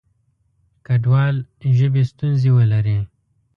کډوال ژبې ستونزې ولري.